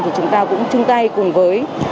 thì chúng ta cũng chung tay cùng với